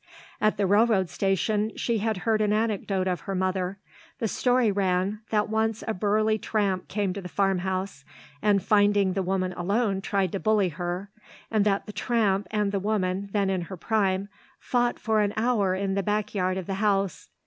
At the railroad station she had heard an anecdote of her mother. The story ran, that once a burly tramp came to the farmhouse, and finding the woman alone tried to bully her, and that the tramp, and the woman, then in her prime, fought for an hour in the back yard of the house.